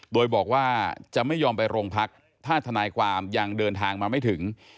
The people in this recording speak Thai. โดยบอกว่าจะไม่ยอมไปโรงพักถ้าทนายความยังเดินทางมาไม่ถึง